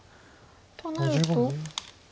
となると。